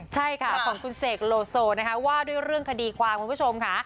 ใช่ค่ะของคุณเสกโลโซนะคะว่าด้วยเรื่องคดีความคุณผู้ชมค่ะ